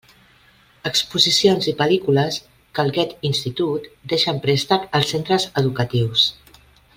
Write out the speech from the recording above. Exposicions i pel·lícules que el Goethe-Institut deixa en préstec als centres educatius.